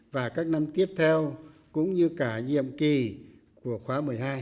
và các năm tiếp theo cũng như cả nhiệm kỳ của khóa một mươi hai